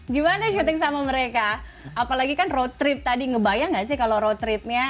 gimana syuting sama mereka apalagi kan road trip tadi ngebayang gak sih kalau road tripnya